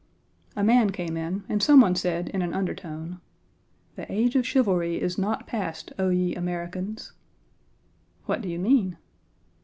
A man came in and some one said in an undertone, "The age of chivalry is not past, O ye Americans!" "What do you mean?"